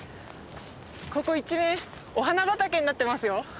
ここ一面お花畑になってますよ。